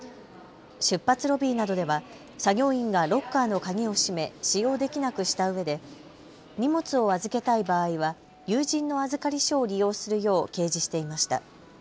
出発ロビーなどでは作業員がロッカーの鍵をしめ使用できなくしたうえで荷物を預けたい場合は有人の預かり所を利用するよう掲示していました。